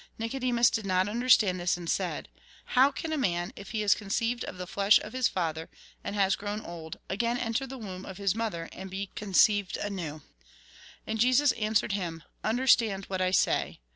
Nicodemus did not understand this, and said :" How can a man, if he is conceived of the flesh of his father, and has grown old, again enter the womb of his mother and be conceived anew ?" And Jesus answered him :" Understand what I say.